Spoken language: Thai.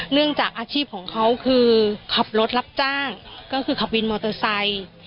เนื่องจากอาชีพของเขาคือขับรถรับจ้างก็คือขับวินมอเตอร์ไซค์